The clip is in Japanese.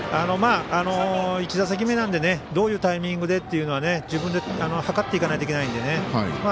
１打席目なのでどういうタイミングでというのは自分で図っていかないといけないのでね。